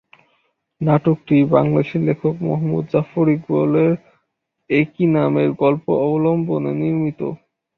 নাটকটি বাংলাদেশি লেখক মুহম্মদ জাফর ইকবালের একই নামের গল্প অবলম্বনে নির্মিত।